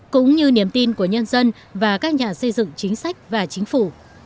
cũng như niềm tin của nhân dân và các nhà xây dựng chính sách và chính phủ